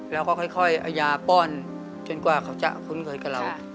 แล้วก็ค่อยเอายาป้อนจนกว่าเขาจะคุ้นเคยกับเรา